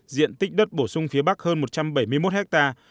diện tích đất bổ sung phía bắc hơn một trăm bảy mươi một hectare